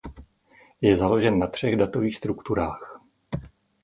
Je založen na třech datových strukturách.